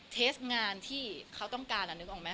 เทสงานที่เขาต้องการนึกออกไหม